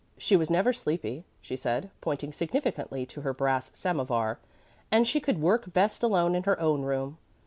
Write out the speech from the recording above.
She was never sleepy, she said, pointing significantly to her brass samovar, and she could work best alone in her own room.